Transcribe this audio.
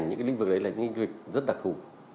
những cái linh vực đấy là những cái linh vực rất đặc thù